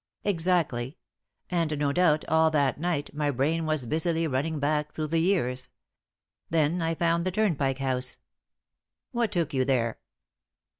"Exactly; and no doubt, all that night, my brain was busily running back through the years. Then I found the Turnpike House." "What took you there?"